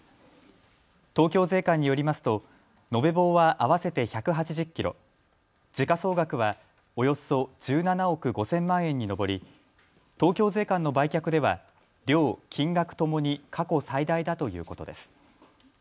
東京税関によりますと延べ棒は合わせて１８０キロ、時価総額はおよそ１７億５０００万円に上り東京税関の売却では量、金額ともに過去最大だということです。